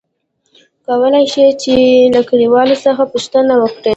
کولاى شې ،چې له کليوالو څخه پوښتنه وکړې ؟